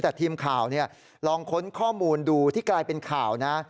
แต่ทีมข่าวลองค้นข้อมูลดูที่กลายเป็นข่าวนะ